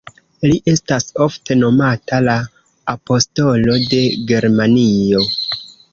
Li estas ofte nomata "la apostolo de Germanio".